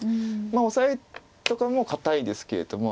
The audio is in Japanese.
オサエとかも堅いですけれども。